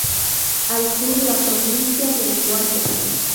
Al Sur: la provincia del Guayas.